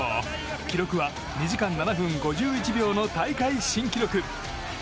記録は２時間７分５１秒の大会新記録！